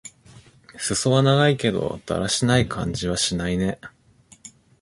すそは長いけど、だらしない感じはしないね。